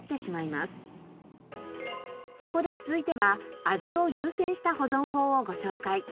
そこで続いては味を優先した保存法をご紹介。